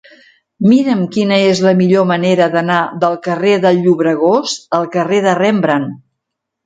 Mira'm quina és la millor manera d'anar del carrer del Llobregós al carrer de Rembrandt.